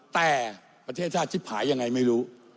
แต่ประเทศชาติชิบหายยังไงไม่รู้